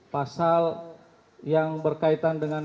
pasal yang berkaitan dengan